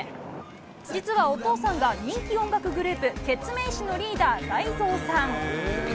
実はお父さんが人気音楽グループ、ケツメイシのリーダー、大蔵さん。